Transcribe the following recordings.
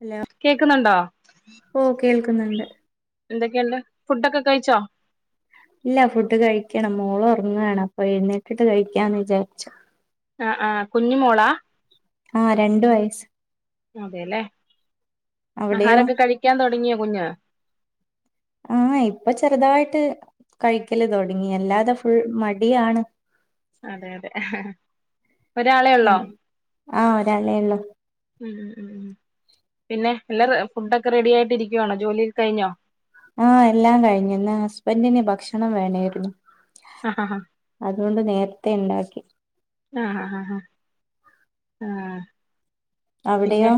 Hello? കേക്കുന്നുണ്ടോ? ഓ കേൾക്കുന്നുണ്ട്. എന്തൊക്കെണ്ട് ഫുഡൊക്കെ കഴിച്ചോ ഇല്ല ഫുഡ് കഴിക്കണം മോള് ഒറങ്ങാണ് അപ്പൊ എഴുന്നേറ്റിട്ട് കഴിക്കാന്ന് വിചാരിച്ചു ആഹ് ആഹ് കുഞ്ഞു മോളാ ആഹ് രണ്ട് വയസ്സ് അതെല്ലേ അവിടെയോ ആഹാരൊക്കെ കഴിക്കാൻ തുടങ്ങിയോ കുഞ്ഞ് ആഹ് ഇപ്പൊ ചെറുതായിട്ട് കഴിക്കല് തുടങ്ങി അല്ലാതെ ഫുൾ മടിയാണ് അതെ അതെ ഒരാളെ ള്ളോ ഉം. ആ ഒരാളേ ഉള്ളു ഉം പിന്നെ എല്ലം ഫുഡൊക്കെ റെഡി ആയിട്ട് ഇരിക്കുവാണോ ജോലിയൊക്കെ കഴിഞ്ഞോ ആഹ് എല്ലാം കഴിഞ്ഞു ഇന്ന് ഹസ്ബന്റ് ന് ഭക്ഷണം വേണായിരുന്നു ആ ആ ആ അതുകൊണ്ട് നേരത്തെ ഉണ്ടാക്കി ആഹ് ആഹ് ആഹ് ആഹ് പിന്നെ അവിടെയോ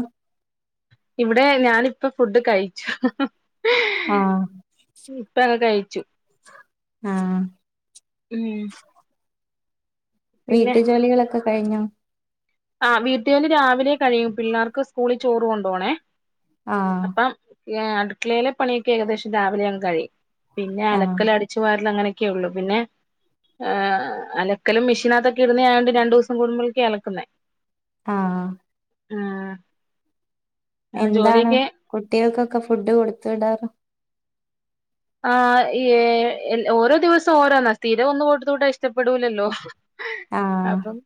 ഇവിടെ ഞാനിപ്പ ഫുഡ് കഴിച്ചു ആഹ് ഇപ്പ കഴിച്ചു ആഹ് ഉം പിന്നെ വീട്ടു ജോലികളൊക്കെ കഴിഞ്ഞോ ആഹ് വീട്ടി ജോലി രാവിലെ കഴിയും പിള്ളേർക്ക് സ്കൂളിൽ ചോറ് കൊണ്ടോണെ ആ അപ്പം അടുക്കളയിലെ പണിയൊക്കെ ഏകദേശം രാവിലെ അങ്ങ് കഴിയും പിന്നെ ആ അലക്കല് അടി അടിച്ചുവാരൽ അങ്ങനെയൊക്കെ ഉള്ളൂ പിന്നെ. അലക്കലും മെഷിനകത്തൊക്കെ ഇടുന്ന ആയോണ്ട് രണ്ടു ദിവസം കുടുമ്പഴൊക്കയാ അലക്കുന്നെ. ആഹ് ആഹ് എന്താണ് കുട്ടികൾക്കൊക്കെ ഫുഡ് കൊടുത്ത്ടാറ് ആഹ് ഓരോ ദിവസം ഓരോന്നാ സ്ഥിരം ഒന്ന് കൊടുത്ത് വിട്ടാ ഇഷ്ടപ്പെടൂലല്ലോ? ആ അപ്പം.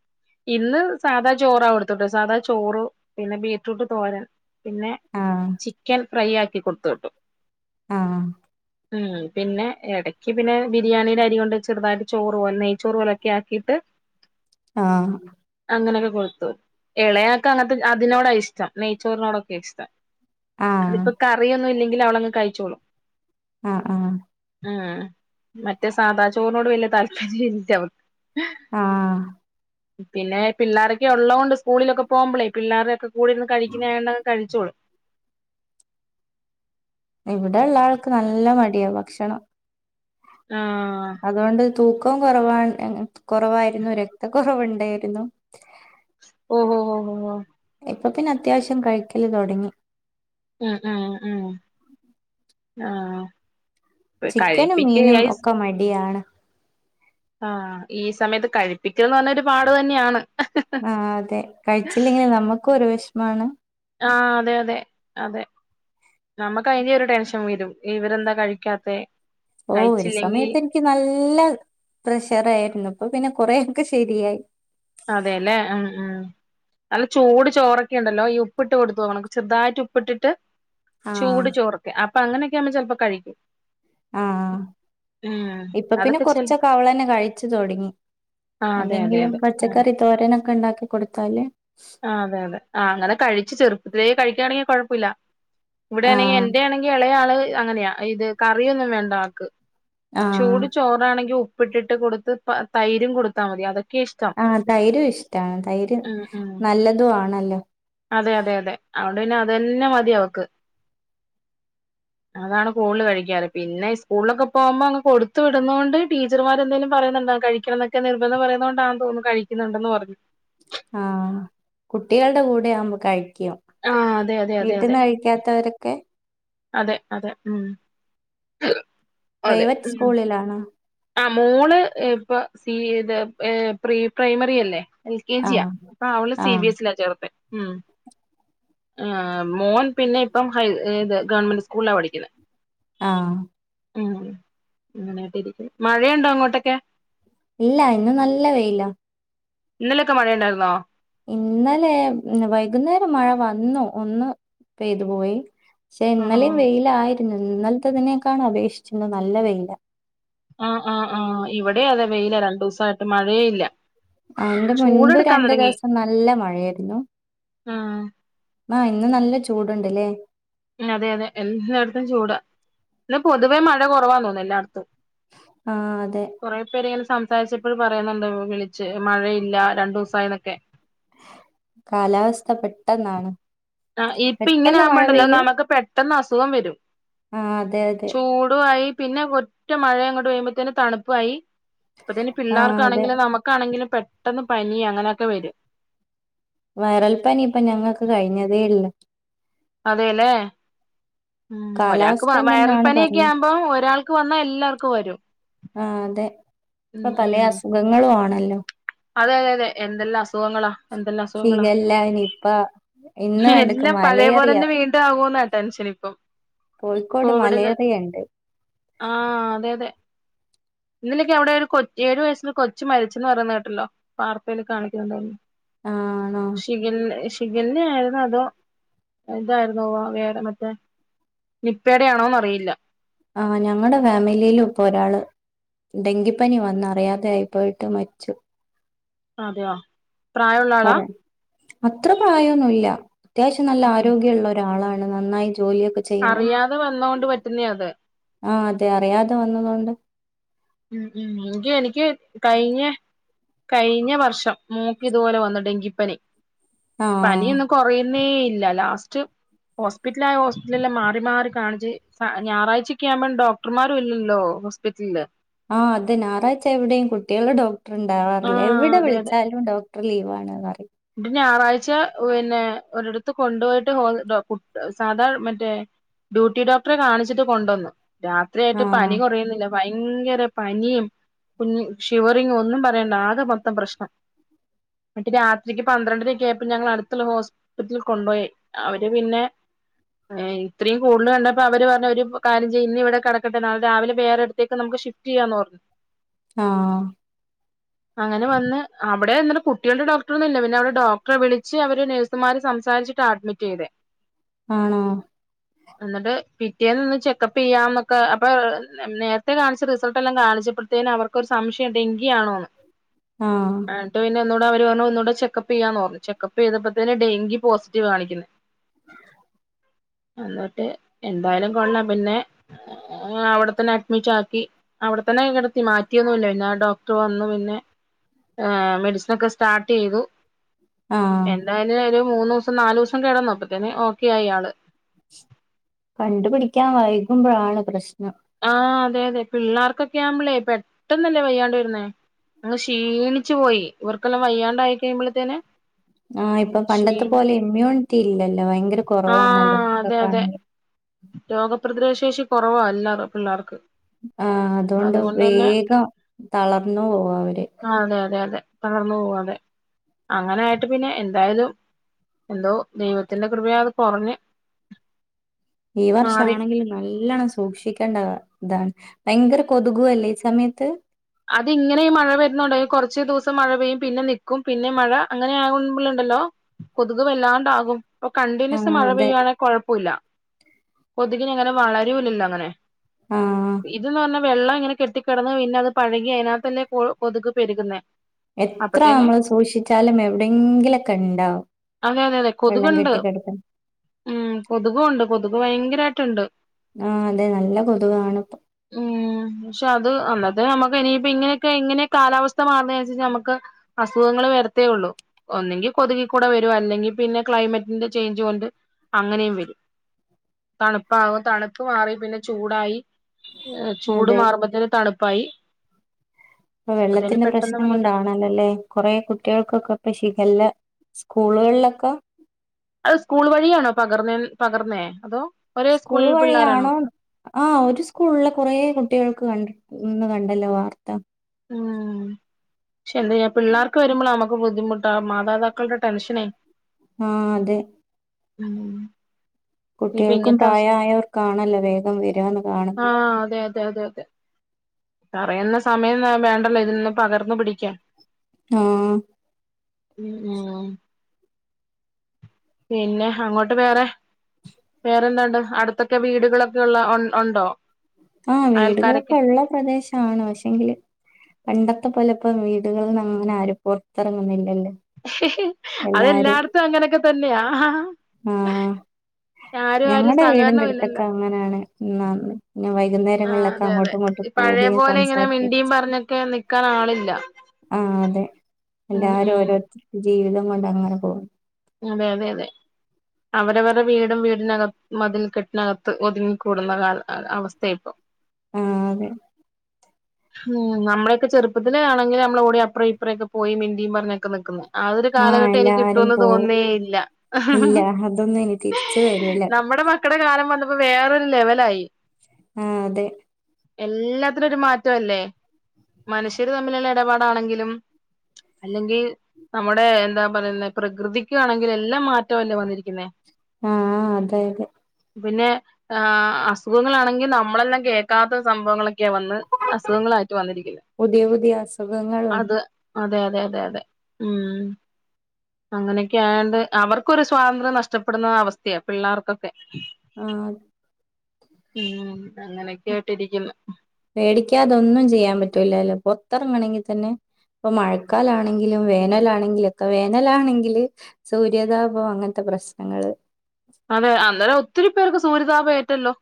ഇന്ന് സാധാ ചോറാകൊടുത്തത് സാധാ ചോറ് പിന്നെ ബീറ്റ്രൂട്ട് തോരൻ. പിന്നെ ആ ചിക്കൻ ഫ്രൈ ആക്കി കൊടുത്തു വിട്ടു. ആഹ് ഉം പിന്നെ ഇടക്ക് പിന്നെ ബിരിയാണിയുടെ അരി കൊണ്ട് ചെറുതായിട്ട് ചോറ് പോല നെയ് ചോറ് പോലൊക്കെ ആക്കിയിട്ട്. ആഹ് അങ്ങനെയൊക്കെ കൊടുത്തു ഇളയാ ക്ക് അങ്ങനത്തെതിനോടാ ഇഷ്ടം നെയ്ച്ചോറിനോടൊക്കെ ഇഷ്ടം. ആഹ് അതിപ്പോ കറിയൊന്നും ഇല്ലെങ്കിലും അവളങ്ങ് കഴിച്ചോളും. ആഹ് ആഹ് ഉം മറ്റേ സാധാ ചോറിനോട് വലിയ താല്പര്യം ഇല്ല അവൾക്ക്. ആഹ് പിന്നെ പിള്ളാരൊക്കെ ഉള്ളതത് കൊണ്ട് സ്കൂളിലൊക്കെ പോകുമ്പോളേ പിള്ളാരൊക്കെ. കൂടെയിരുന്ന് കഴിക്കുന്നെ ആ യോണ്ട് കഴിച്ചോളും. ഇവിടെള്ള ആൾക്ക് നല്ല മടിയാണ് ഭക്ഷണം. ആഹ് അതുകൊണ്ട് തൂക്കം കുറവാ കുറവായിരുന്നു രക്ത കുറവുണ്ടായിരുന്നു. ഓ ഓ ഓ ഓ ഓ ഇപ്പൊ പിന്നെ അത്യാവശ്യം കഴിക്കല് തുടങ്ങി. ഉം ഉം ഉം ആഹ് ചിക്കനും കഴിപ്പിക്ക് മീനും ഐസ് ഒക്കെ മടിയാണ്. ആഹ് ഈ സമയത്ത് കഴിപ്പിക്കൽന്ന് പറഞ്ഞ ഒരു പാട് തന്നെയാണ്. ആ അതെ കഴിച്ചില്ലെങ്കിൽ നമ്മുക്കും ഒരു വിഷമാണ്. ആഹ് അതെ അതെ അതെ ഞമ്മക്കയ്ന്റൊരു ടെൻഷൻ വെരും ഇവരെന്താ കഴിക്കാത്തെ ഓഹ് ഒരു കഴിച്ചില്ലെങ്കി സമയത്ത് എനിക്ക് നല്ല പ്രഷറാരുന്നു ഇപ്പൊ പിന്നെ കൊറെയൊക്കെ ശരിയായി അതെല്ലേ ഉം ഉം നല്ല ചൂട് ചോറൊക്കെണ്ടല്ലോ ഈ ഉപ്പിട്ട് കൊടുത്ത് നോക്കണം ചെറുതായിട്ട് ഉപ്പിട്ടിട്ട് ആഹ് ചൂട് ചോറൊക്കെ അപ്പം അങ്ങനെക്കെ ആവുമ്പം ചെലപ്പം കഴിക്കും ഉം ഇപ്പ പിന്നെ അതൊക്കെ ചെൽ കുറച്ചൊക്കെ അവളന്നെ കഴിച്ച് തൊടങ്ങി ആ അതെ അതെ അതെ എന്തെങ്കിലുംക്കെ ഉം പച്ചക്കറി തോരനൊക്കെണ്ടാക്കി കൊടുത്താല് ആഹ് അതെ അതെ ആഹ് അങ്ങനെ കഴിച്ച് ചെുപ്പത്തിലേ കഴിക്കാണെങ്കി കൊഴപ്പില്ല ഇവിടെയാണെങ്കി ആഹ് എന്റെ ആണെങ്കി ഇളയാള് അങ്ങനെയാ ഇത് കറിയൊന്നും വേണ്ട ആക്ക് ആഹ് ചൂട് ചോറാണെങ്കി ഉ ഉപ്പിട്ടിട്ട് കൊടുത്ത് തൈരും കൊടുത്താ മതി അതൊ ആഹ് തൈരും ഇഷ്ടാണ് തൈര് ഉം ഉം നല്ലതുവാണല്ലോ അതെ അതെ അതെ അതുകൊണ്ട് പിന്നെ അതന്നെ മതി അവക്ക് അതാണ് കൂടുതല് കഴിക്കാറ് പിന്നെ സ്കൂളിലൊക്കെ പോകുമ്പോ അങ്ങ് കൊടുത്ത് വിടുന്നോണ്ട് ടീച്ചർമാരെന്തേലും പറയുന്നുണ്ടാവും കഴി കഴിക്കണന്നക്കെ നിർബന്ധം പറയുന്ന കൊണ്ടാണ് തോന്നുന്നു കഴിക്കുന്നുണ്ടെന്ന് പറഞ്ഞു ആഹ് കുട്ടികൾടെ കൂടെ ആകുമ്പം കഴിക്കും ആഹ് അതെ അതെ അതെ അതെ വീട്ടിന്ന് കഴി ക്കാത്തവരക്കെ അതെ അതെ ഉം [unintelligible] പ്രൈവറ്റ് സ്കൂളിലാണോ ആഹ് മോള് ഇപ്പൊ സീ ഇത് ഏഹ് പ്രീ പ്രൈമറിയല്ലേ എൽ കെ ജിയാ ആഹ് അപ്പൊ അവള് സി ആഹ് ബി എസിലാ ചേർത്തെ ഉം ആഹ് മോൻ പിന്നെ ഇപ്പം ഹൈ ഏത് ഗവൺമെന്റ് സ്കൂൾലാ പഠിക്ക്‌ന്നെ ആഹ് ഉം അങ്ങനയക്കെയിരിക്ക്‌ന്ന് മഴയൊണ്ടോ അങ്ങോട്ടക്കെ ഇല്ല ഇന്ന് നല്ല വെയ്ലാ ഇന്നലക്കെ മഴയ്ണ്ടാരുന്നോ ഇന്നലെ മ്മ് വൈകുന്നേരം മഴ വന്നു ഒന്ന് പെയ്തു പോയി പക്ഷെ ആഹ് ഇന്നലേം വെയ്ലായിരുന്നു ഇന്നലത്തതിനെക്കാൾ അപേക്ഷിച്ച് ഇന്ന് നല്ല വെയ്ലാ ആഹ് ആഹ് ആഹ് ഇവിടേം അതെ വെയ്ലാ രണ്ടൂസായിട്ട് മഴയേ ഇല്ല ഇതിന് മുൻപ് ചൂടെടുക്കാൻ രണ്ടു തുടങ്ങി ദിവസം നല്ല മഴയാരുന്നു ഉം ആഹ് ഇന്ന് നല്ല ചൂടുണ്ടല്ലേ ഉം അതെ അതെ എല്ലാടത്തും ചൂടാ ഇന്ന് പൊതുവേ മഴ കൊറവാന്ന് തോന്നുന്നു എല്ലാടത്തും ആഹ് അതെ കൊറെ പേരിങ്ങനെ സംസാരിച്ചപ്പഴും പറയുന്നുണ്ട് വിളിച്ച് മഴയില്ല രണ്ടൂസായിന്നൊക്കെ കാലാവസ്ഥ പെട്ടെന്നാണ് പെട്ടെന്ന് മഴ പെയ്യ്‌ നമക്ക് പെട്ടെന്ന് അസുഖം വരും ആഹ് അതെ അതെ ചൂട്വായി പിന്നെ ഒ ഒറ്റ മഴയങ്ങോട്ട് പെയ്യുമ്പോത്തന്നെ തണുപ്പായി അപ്പ തന്നെ ആഹ് അതെ പിള്ളേർക്കാണെങ്കിലും നമു ക്കാണെങ്കിലും പെട്ടന്ന് പനി അങ്ങനക്കെ വെരും വയറൽപ്പനി ഇപ്പ ഞങ്ങക്ക് കഴിഞ്ഞതേള്ളു അതെല്ലേ ഉം ഒരാക്ക്‌ വ കാലാവസ്ഥന്റെ വയറൽ തന്നെയാണ് പനിയക്കെ പറഞ്ഞ ആകുമ്പം ഒരാൾക്ക് വന്നാ എല്ലാർക്കും വരും ആഹ് അതെ ഇപ്പ ഉം പലെ ഉം അസുഖങ്ങളും ആണല്ലോ അതെ അതെ അതെ എന്തെല്ലാം അസുഖങ്ങളാ എന്തെല്ലാം അസുഖങ്ങളാ ശിഖല്ല നിപ്പ ഇന്ന് കണ്ടക്ക് എല്ലാം പഴയ മലേറിയ പോലന്നെ വീണ്ടും ആകുവോന്നാ ടെൻഷനിപ്പം കോഴിക്കോട് മലേറിയ ഇണ്ട്. ആഹ്, അതെ, അതെ. ഇന്നലക്കെ അവിടെ ഒരു കൊ ഏഴു വയസ്സ്ല്ലെ കൊച്ചു മരിച്ചന്ന് പറയുന്ന കേട്ടല്ലോ? വാർത്തേൽ കാണിക്കുന്നുണ്ടായിര്ന്നു. ആണോ? ശിഖല്ല, ശിഖല്ലെ ആണോ? അതോ ഇതായിരുന്നുവോ വേറെ മറ്റേ നിപ്പേടെയാണോന്ന് അറിയില്ല. ആഹ് ഞങ്ങടെ ഫാമിലിയിലും ഇപ്പൊ ഒരാള് ഡെങ്കിപ്പനി വന്നറിയാതെ ആയി പോയിട്ട് മരിച്ചു. അതെയോ? പ്രായമുള്ള ആളാ [unintelligible] അത്ര പ്രായ ഒന്നു ഇല്ല അത്യാവശ്യം നല്ല ഉം ഉം ആരോഗ്യള്ള ഒര് ഒരാളാണ് നന്നായി ജോലിയൊക്കെ ചെയ്യുന്നെ അറിയാതെ വന്നോണ്ട് പറ്റുന്നേ അത്. ആ അതെ അറിയാതെ വന്നതോണ്ട് ഉം, ഉം എനിക്ക്, എനിക്ക് കഴിഞ്ഞ കഴിഞ്ഞ വർഷം മോൾക്ക് ഇത് പോലെ വന്നു ഡെങ്കിപ്പനി. ആഹ് പനിയൊന്നു കൊറയുന്നേ ഇല്ല ലാസ്റ്റ് ഹോസ്പിറ്റലായ ഹോസ്പിറ്റൽ എല്ലാം മാറി, മാറി കാണിച്ച് ഞായറാഴ്ചക്കെ ആവുമ്പം ഡോക്ടർമാരും ഇല്ലല്ലോ ഹോസ്പിറ്റലില്. ആഹ്, അത് ഞായറാഴ്ച എവിടെയും കുട്ടികളുടെ ഡോക്ടർ ഇണ്ടാവാറില്ല, ആഹ് എവിടെ അതെ വിളിച്ചാലും ഡോക് ടർ ലീവാണ് പറയും. ഇങ്ങട്ട് ഞായറാഴ്ച പിന്നെ ഒരിടത്ത് കൊണ്ടുപോയിട്ട് ഡോ കു സാധാ മറ്റേ ഡ്യൂട്ടി ഡോക്ടറെ കാണിച്ചിട്ട് കൊണ്ടുവന്നു. രാത്രിയായിട്ട് ആഹ് പനി കുറയുന്നില്ല. ഭയങ്കര പനിയും കുഞ്ഞ് ഷിവറിങ്ങ് ഒന്നും പറയണ്ട ആകെ മൊത്തം പ്രശ്നം. ഇങ്ങട്ട് രാ ഉച്ചക്ക് പന്ത്രണ്ടരയൊക്കെ ആയപ്പോ ഞങ്ങള അടുത്തുള്ള ഹോസ്പിറ്റലിൽ കൊണ്ടുപോയി, അവര് പിന്നെ ഏഹ്, ഇത്രയും കൂടുതൽ കണ്ടപ്പോൾ അവര് പറഞ്ഞു ഒരു കാര്യം ചെയ്യ് ഇന്ന് ഇവിടെ കിടക്കട്ടെ നാളെ രാവിലെ വേറെ ഒരിടത്തേക്ക് നമുക്ക് ഷിഫ് റ്റ് ചെയ്യാന്ന് പറഞ്ഞു. ആഹ് അങ്ങനെ വന്ന് അവിടെ അന്നേരം കുട്ടികൾടെ ഡോക്ട- റൊന്നു ഇല്ല, പിന്നെ അവര് ഡോക്ടറെ വിളിച്ച് അവര് നേഴ്സുമാര് സംസാരിച്ചിട്ടാ അഡ്മിറ്റ് ചെയ്തെ. ആണോ? എന്നിട്ട് പിറ്റേന്ന് വന്ന് ചെക്കപ്പ് ചെയ്യാംന്നൊക്കെ അപ്പൊ നേരത്തെ കാണിച്ച റിസൾട്ട് എല്ലാം കാണിച്ചപ്പോഴ്ത്തേനും അവർ- ക്ക് ഒരു സംശയം ഡെങ്കിയാണോന്ന്? ആഹ്. ഇങ്ങട്ട് പിന്നെ ഒന്നൂടെ അവര് പറഞ്ഞു ഒന്നൂടെ ചെക്കപ്പ് ചെയ്യാന്ന് പർഞ്ഞു. ചെക്കപ്പ് ചെയ്തപ്പോത്തിന് ഡെങ്കി പോസിറ്റീവ് കാണിക്കുന്നെ. എന്നിട്ട് എന്തായാലും കൊള്ളാം പിന്നെ അവിടെത്തന്നെ അഡ്മിറ്റ് ആക്കി. അവിടെത്തന്നെ അങ്ങ് കിടത്തി മാറ്റിയൊന്നുല്ല, പിന്നെ ഡോക്ടർ വന്നു. പിന്നെ, ആഹ്, മെഡിസിൻ ഒക്കെ സ്റ്റാർ- ട്ട് ചെയ്തു. ആഹ് എന്തായാലു ഒരു മൂന്നൂസം നാലൂസം കെടന്നു അപ്പത്തന്നെ ഓക്കെ ആയി ആള്. കണ്ടു പിടിക്കാൻ വൈകുമ്പോഴാണ് പ്രശ്നം. ആഹ് അതെ, അതെ പിള്ളേർക്കൊക്കെ ആവുമ്പളേ പെട്ടന്നല്ലേ വയ്യാണ്ട് വരുന്നേ. അങ്ങ് ക്ഷീണിച്ചു പോയി. ഇവർക്കെല്ലാം വയ്യാണ്ടായി കഴിയുമ്പോളേത്തിന്. ആ ഇപ്പം പണ്ടത്തെ പോലെ ഇമ്മ്യൂണിറ്റി ഇല്ലല്ലോ ഭയങ്കര ആ കുറവാണല്ലോ അതെ നമുക്കൊക്കെ അതെ ആണെങ്കിൽ രോഗപ്രതിരോധ ശേഷി കുറവാ എല്ലാ പിള്ളേർക്ക്. ആ അതുകൊണ്ട് വേഗം തളർന്നു പോവാ അവര് ആ അതെ അതെ അതെ തളർന്നു പോകും. അതെ അങ്ങനെയായിട്ട് പിന്നെ എന്തായാലും എന്തോ ദൈവത്തിന്റെ കൃപയാ അത് കൊർഞ്ഞ് ഈ വർഷം ആണെങ്കിലും നല്ലണം സൂക്ഷിക്ക- ണ്ട ഇതാണ് ഭയങ്കര കൊതുകുവല്ലേ ഈ സമയത്ത്? അത്ങ്ങനെഈ മഴ വര്ന്നുണ്ട ഈ കുറച് ദിവസം മഴ പെയ്യും പിന്നെ നിക്കും പിന്നെ മഴ അങ്ങനെ ആകുമ്പൾണ്ടല്ലോ കൊതുക് വല്ലാണ്ടാകും പ്പൊ കണ്ടിന്യൂസ് ആഹ് മഴ അതെ പെയ്യുവാണെ കുഴപ്പുല്ല. കൊതുകിങ്ങനെ വളരുല്ലല്ലോ അങ്ങനെ? ആഹ് ഇതന്ന് പറഞ്ഞാ വെള്ളം ഇങ്ങനെ കെട്ടികെടന്ന് പിന്നെ അത് പഴകി അതിനാതന്നെ കൊ കൊതുക് പെരുകുന്നെ എത്ര നമ്മള് സൂക്ഷിച്ചാലും എവിടെയെങ്കിലൊക്കെ ണ്ടാവും. അതെ അതെ അതെ വെള്ളം കൊതുകുണ്ട് കെട്ടിക്കെടുക്കുന്ന ഉം കൊതുകൊണ്ട് കൊതുക് ഭയങ്കരായിട്ടൊണ്ട്. ആ അതെ നല്ല കൊതുകാണ് ഇപ്പം ഉം പക്ഷെ അത് ത് നമുക്ക് ഇനിയിപ്പോ ഇങ്ങനെയൊക്കെ ഇങ്ങനെ കാലാവസ്ഥ മാർന്നെ അനുസരിച്ച് നമുക്ക് അസുഖങ്ങൾ വരത്തേ ഉള്ളു. ഒന്നെങ്കി കൊതുകിക്കൂടെ വരും. അല്ലെങ്കി പിന്നെ ക്ലൈമറ്റിന്റെ ചേഞ്ച് കൊണ്ട് അങ്ങനെയും വരും. തണുപ്പാകും തണുപ്പ് മാറി പിന്നെ ചൂടായി ചൂട് അതെ മാറുമ്പോത്തേനും തണുപ്പായി. ഇപ്പൊ അപ്പത്തേന് വെള്ളത്തിന്റെ പെട്ടെന്ന് പ്രശ്നം കൊണ്ടാ വീണ്ടും ണല്ലേ കുറെ കുട്ടികൾക്കൊക്കെ ഇപ്പ ശിഖല്ല സ്കൂളുകളിലൊക്ക അത് സ്കൂൾ വഴിയാണോ പകർന്നെ പകർന്നേ അതോ? ഒരേ സ്കൂൾ സ്കൂളിൽ പിള്ളേരാണോ വഴിയാണോന്ന്? ആഹ് ഒരു സ്കൂളിലെ കുറെ കുട്ടികൾക്ക് കണ്ട ന്ന് കണ്ടല്ലോ വാർത്ത. ഉം പക്ഷെ ന്തായ്യാ പിള്ളേർക്ക് വരുമ്പോൾ നമ്ക്ക് ബുദ്ധിമുട്ടാ മാതാപിതാക്കൾടെ ടെൻഷനെ ആ അതെ ഉം ഇപ്പൊ കുട്ടികൾക്കും ഇങ്ങനത്തെ അവസ് പ്രായമായവർക്കാണല്ലോ വേഗം വരാന്ന് കാണുന്നത്. ആഹ് അതെ അതെ അതെ പറയുന്ന സമയം വേണ്ടല്ലോ ഇതിൽ നിന്ന് പകർന്നു പിടിക്കാൻ, ആഹ് ഉ ഉ പിന്നെ, അങ്ങോട്ട് വേറെ. വേറെന്താണ്ട്, അടുത്തൊക്കെ വീടുകളൊക്കെള്ള ഉണ്ടോ? ആഹ് വീടുകളൊക്കെ അയൽക്കാരൊക്കെ ഉള്ള പ്രദേശ്. ആണ് പക്ഷെങ്കില് പണ്ടത്തെ പോലപ്പോ വീടുകളീന്ന് അങ്ങനാരും പുറത്തിറങ്ങുന്നില്ല ല്ലേ. അതെല്ലാട്ത്തും അങ്ങനെക്കെ തന്നെയാ. ആഹ് ആരും ആരും സഹകരണം ഇല്ല ല്ലോ. അങ്ങെനാണ് [unintelligible] ന്നെ വൈകുന്നേ ആഹ്, അതെ അതെ പഴെപോലെ ങ്ങനെ സംസാരിക്കുകയും മിണ്ടിയുംപറഞ്ഞൊക്കെ നിക്കാനാളില്ല. ആഹ് അതെ, അല്ലാരും ഉം ഓരോര് ജീവിതം കൊണ്ടങ്ങനെ പോവും. അതെ അതെ അതെ അവരവരുടെ വീടും വീടിനകത്ത് മതിൽ കെട്ടിനകത്ത് ഒതുങ്ങിക്കൂടുന്ന അവസ്ഥ ഇപ്പോ. ആഹ്, അതെ. ഹും നമ്മളെ ഒക്കെ ചെുപ്പത്തില് ആണെങ്കിൽ നമ്മള് ഓടി അപ്പ്രേ ഇപ്പ്രേ ഒക്കെ പോയി മിണ്ടിം പറഞ്ഞൊക്കെ നിക്ക്ന്ന്. ആ ഒര് കാലഘട്ടം ഇനി എല്ലാരും കിട്ടുന്ന് പോവും തോന്ന്ന്നേ ഇല്ല ഇല്ല അതൊന്നും ഇനി തിരിച്ചു വരൂല നമ്മടെ മക് മക്കടെ കാലം വന്നപ്പോ വേറൊരു ലെവലായി. ഉം, അതെ. എല്ലാത്തിനെരു മാറ്റവല്ലേ. മനുഷ്യര് തമ്മില്ള്ള എടപാടാണെങ്കിലും. അല്ലെങ്കി നമ്മുടെ എന്താ, പറയുന്നെ പ്രകൃതിക്കു ആണെങ്കിലും എല്ലാം മാറ്റ അല്ലേ വന്നിരിക്ക്ന്നേ. ആഹ് ആഹ് അതെ അതെ പിന്നെ, ഏ അസുഖങ്ങളാണെങ്കി നമ്മളെല്ലാം കേക്കാത്ത, സംഭവങ്ങളൊക്കെയാ വന്ന്. അസുഖങ്ങളായിട്ട് വന്നിരിക്ക്ന്ന് പുതിയ, പുതിയ, അസുഖങ്ങളും. അതെ, അതെ, അതെ, അതെ ഉം. പ്പ അങ്ങനെയൊക്കെ ആയേണ്ട്. അവർക്കൊരു സ്വാതന്ത്ര്യം, നഷ്ടപ്പെടുന്ന അവസ്ഥയാ, പിള്ളേർക്കൊക്കെ. ആഹ് [unintelligible] ഉം അങ്ങനെക്കെയായിട്ടിരിക്കിന്ന് പേടിക്കാതെ ഒന്നും ചെയ്യാൻ പറ്റൂലല്ലോ പൊർത്തെറങ്ങെണങ്കി തന്നെ. ഇപ്പ മഴക്കാലാണെങ്കിലും, വേനലാണെങ്കിലൊക്കെ, വേനലാണെങ്കില്. സൂര്യാതാപം അങ്ങൻത്തെ പ്രശ്നങ്ങള്. അതെ, അന്നേരം ഒത്തിരി പേർക്ക് സൂര്യതാപം ഏറ്റല്ലോ.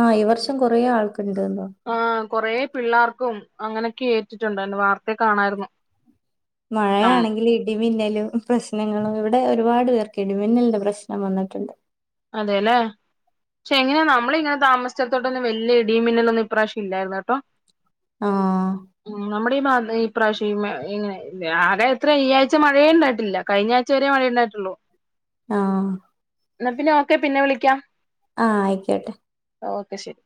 ആഹ്, ഈ വർഷം കൊറേ ആൾക്ക് ഇണ്ടേലോ ആഹ് കൊറെ പിള്ളാർക്കും അങ്ങനെക്കെ ഏറ്റിട്ട്ണ്ടാര്ന്നു. വാർത്തെ കാണായിർന്നു. മഴയാണെങ്കില് ഇ ടിമിന്നലും, പ്രശ്നങ്ങളും, ഇവിടെ ഒരുപാട് പേർക്ക് ഇടിമിന്നൽന്റെ പ്രശ്നം വന്നിട്ടുണ്ട്. അതെ ല്ലെ. പക്ഷെ എങ്ങനെ നമ്മളിങ്ങനെ താമസിച്ചേട്ത്തോട്ടൊന്നും വെല്ല്യെ ഇടിയും മിന്നലെന്നും ഇപ്രാവിശൃം ഇല്ലാര്ന്ന് കെട്ടോ. ആഹ്. ഉം നമ്മടെ ഈ ഭാ ഇപ്രാവശ്യം ഈ മെ ഇങ്നെ ആകെ എത്ര ഈ ആഴ്ച മഴയേ ഇണ്ടായിട്ടില്ല കഴിഞ്ഞ ആഴ്ച വരെ മഴ ഇണ്ടായിട്ടെള്ളൂ. ആഹ്. പിന്നെ ഓക്കെ പിന്നെ വിളിക്കാം. ആഹ് അയിക്ക്യോട്ടെ ഓക്കെ ശെരി.